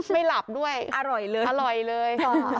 ไม่หลับด้วยอร่อยเลย